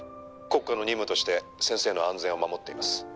「国家の任務として先生の安全を護っています」